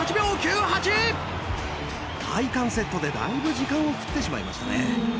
配管セットでだいぶ時間を食ってしまいましたね。